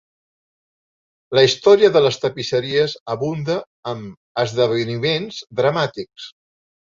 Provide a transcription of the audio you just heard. La història de les tapisseries abunda en esdeveniments dramàtics.